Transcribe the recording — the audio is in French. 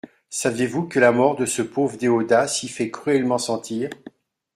Savez-vous que la mort de ce pauvre Déodat s'y fait cruellement sentir ?